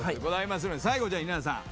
最後稲田さん。